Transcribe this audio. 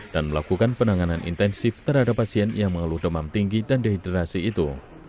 dan melakukan penanganan intensif terhadap pasien yang mengeluh demam tinggi dan dehidrasi itu